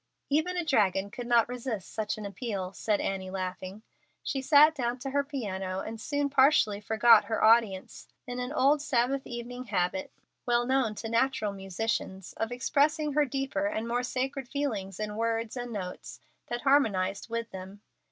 "Even a dragon could not resist such an appeal," said Annie, laughing. She sat down to her piano and soon partially forgot her audience, in an old Sabbath evening habit, well known to natural musicians, of expressing her deeper and more sacred feelings in words and notes that harmonized with them.